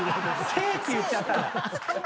「せい」って言っちゃった。